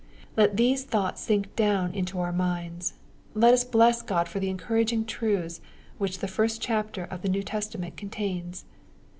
Let these thoughts sink down into our minds. Let us bless God for the encouraging truths which the first chapter of the New Testament contains.